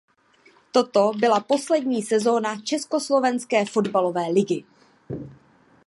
Toto byla poslední sezona československé fotbalové ligy.